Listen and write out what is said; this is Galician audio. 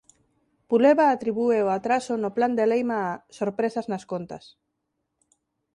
Puleva atribúe o atraso no plan de Leyma a "sorpresas nas contas"